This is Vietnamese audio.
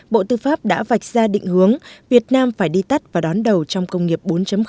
bộ tư pháp đã vạch ra định hướng việt nam phải đi tắt và đón đầu trong công nghiệp bốn